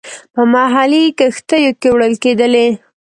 په محلي کښتیو کې وړل کېدلې.